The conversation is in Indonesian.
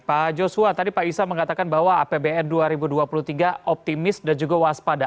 pak joshua tadi pak isa mengatakan bahwa apbn dua ribu dua puluh tiga optimis dan juga waspada